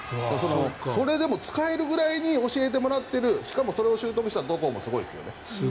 それでも使えるぐらいに教えてもらっているしかも、それを習得した戸郷もすごいですけどね。